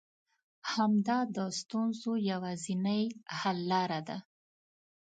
همدا د ستونزو يوازنۍ حل لاره ده.